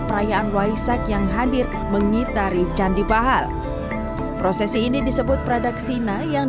perayaan waisak yang hadir mengitari candi pahal prosesi ini disebut pradaksina yang